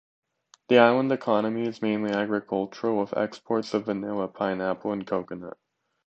The island economy is mainly agricultural with exports of vanilla, pineapple and coconut.